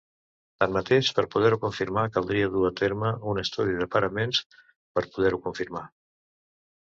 Tanmateix, per poder-ho confirmar, caldria dur a terme un estudi de paraments per poder-ho confirmar.